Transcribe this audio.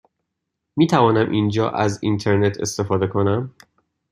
می توانم اینجا از اینترنت استفاده کنم؟